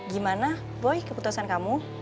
gimana boy keputusan kamu